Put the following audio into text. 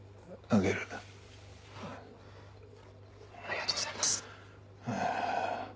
ありがとうございます。